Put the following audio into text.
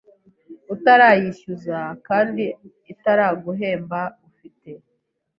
utarayishyuza kandi itaraguhemba ufite